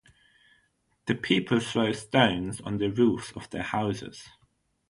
The people throw stones on the roofs of their houses.